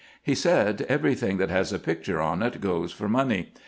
He said :* Everything that has a picture on it goes for money.